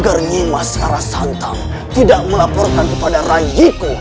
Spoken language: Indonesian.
ternyimah searah santang tidak melaporkan kepada rayiku